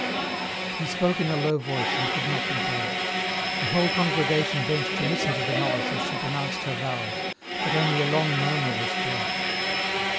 He spoke in a low voice, and could not be heard. The whole congregation bent to listen to the novice as she pro nounced her vows, but only a long murmur was heard.